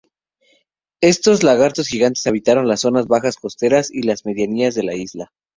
Estos lagartos gigantes habitaron las zonas bajas costeras y las medianías de la isla.